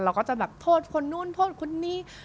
เราก็จะแบบโทษคนนู้นโทษคนนี้